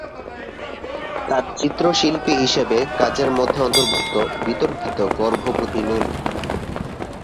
তার চিত্রশিল্পী হিসাবে কাজের মধ্যে অন্তর্ভুক্ত বিতর্কিত "গর্ভবতী নুন।"